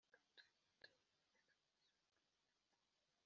wakurikizaga ibyo bita k eshanu